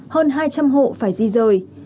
hơn hai trăm linh hộ phải di rời